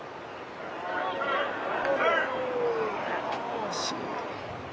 惜しい。